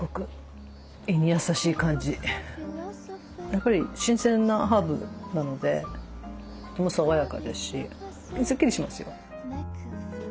やっぱり新鮮なハーブなので爽やかですしスッキリしますよ。